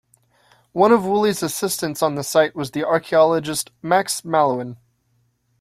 One of Woolley's assistants on the site was the archaeologist Max Mallowan.